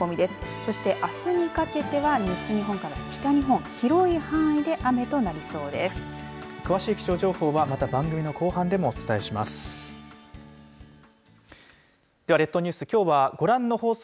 そして、あすにかけては西日本から北日本、広い範囲で雨となりそうです。